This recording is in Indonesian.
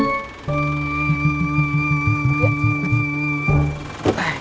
masa ini pak saum